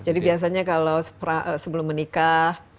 jadi biasanya kalau sebelum menikah